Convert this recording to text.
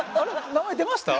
名前出ました？